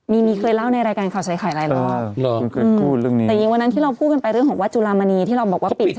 มีมีเคยเล่าในในในรายการข่าวใสข่ายหลายรอบ